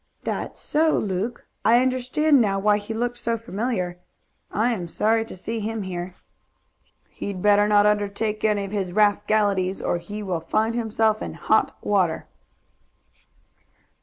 "That's so, Luke. I understand now why he looked so familiar. I am sorry to see him here." "He'd better not undertake any of his rascalities or he will find himself in hot water."